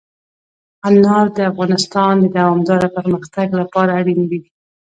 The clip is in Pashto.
انار د افغانستان د دوامداره پرمختګ لپاره اړین دي.